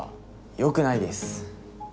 よくないです。